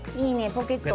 ポケット。